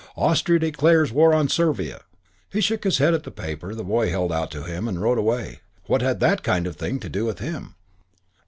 AUSTRIA DECLARES WAR ON SERVIA He shook his head at the paper the boy held out to him and rode away. What had that kind of thing to do with him?